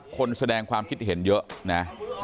คนแสดงความคิดเห็นเยอะนะ